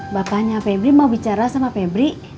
bapaknya febrin mau bicara sama febrin